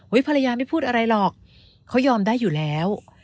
ภรรยาไม่พูดอะไรหรอกเขายอมได้อยู่แล้ว